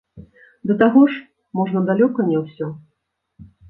Да таго ж, можна далёка не ўсе.